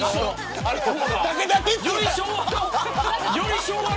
より昭和。